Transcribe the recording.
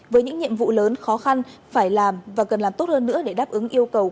với những nhiệm vụ lớn khó khăn phải làm và cần làm tốt hơn nữa để đáp ứng yêu cầu